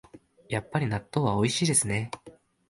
やっぱり納豆はおいしいですね